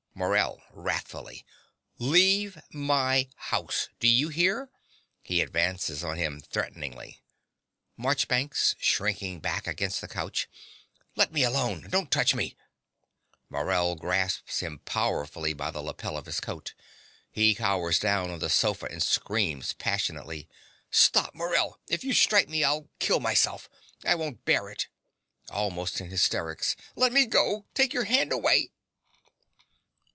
MORELL (wrathfully). Leave my house. Do you hear? (He advances on him threateningly.) MARCHBANKS (shrinking back against the couch). Let me alone. Don't touch me. (Morell grasps him powerfully by the lapel of his coat: he cowers down on the sofa and screams passionately.) Stop, Morell, if you strike me, I'll kill myself. I won't bear it. (Almost in hysterics.) Let me go. Take your hand away.